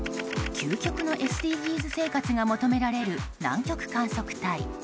究極のＳＤＧｓ生活が求められる南極観測隊。